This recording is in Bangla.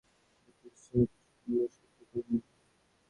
এতে পরিশ্রম কিছুটা হলেও সার্থক মনে হবে।